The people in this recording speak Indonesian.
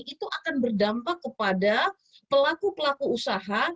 itu akan berdampak kepada pelaku pelaku usaha